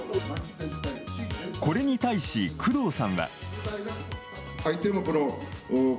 これに対し工藤さんは。